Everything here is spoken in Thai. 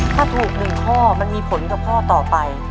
ถ้าถูก๑ข้อมันมีผลกับข้อต่อไป